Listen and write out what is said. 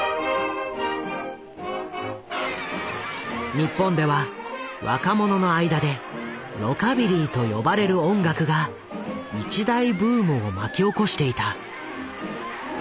日本では若者の間でロカビリーと呼ばれる音楽が一大ブームを巻き起こしていた。